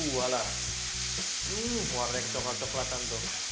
wadah coklat coklatan tuh